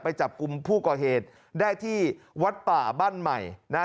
ไปจับกลุ่มผู้ก่อเหตุได้ที่วัดป่าบ้านใหม่นะฮะ